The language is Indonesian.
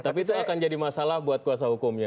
tapi itu akan jadi masalah buat kuasa hukumnya